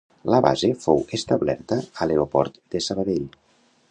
La base fou establerta a l'aeroport de Sabadell.